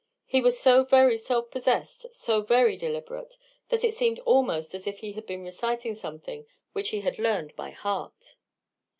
He was so very self possessed, so very deliberate, that it seemed almost as if he had been reciting something which he had learned by heart.